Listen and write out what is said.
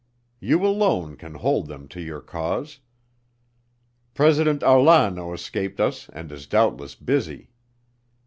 You alone can hold them to your cause. President Arlano escaped us and is doubtless busy.